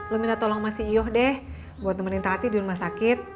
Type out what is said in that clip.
lo minta tolong sama si iyoh deh buat nemenin tati di rumah sakit